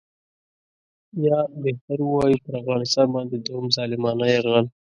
یا بهتر ووایو پر افغانستان باندې دوهم ظالمانه یرغل.